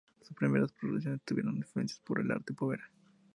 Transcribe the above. Sus primeras producciones estuvieron influenciadas por el arte povera.